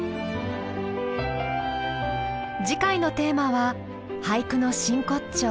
次回のテーマは俳句の真骨頂